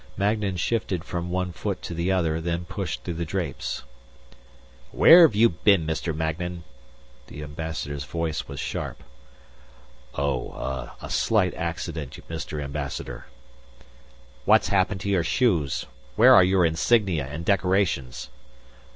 Magnan shifted from one foot to the other then pushed through the drapes. "Where've you been, Mr. Magnan?" The Ambassador's voice was sharp. "Oh ... ah ... a slight accident, Mr. Ambassador." "What's happened to your shoes? Where are your insignia and decorations?"